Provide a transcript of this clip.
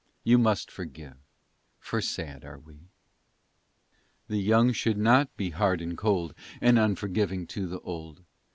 You must forgive for sad are we. The young should not be hard and cold And unforgiving to the old.